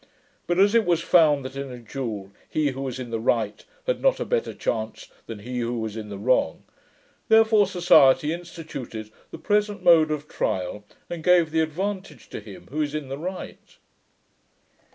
But as it was found that in a duel, he who was in the right had not a better chance than he who was in the wrong, therefore society instituted the present mode of trial, and gave the advantage to him who is in the right.'